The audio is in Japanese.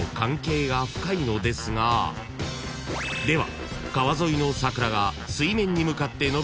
［では］